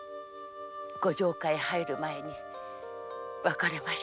ご城下へ入る前に別れました。